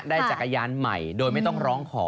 จักรยานใหม่โดยไม่ต้องร้องขอ